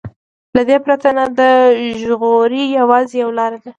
له دې برید نه د ژغور يوازې يوه لاره ده.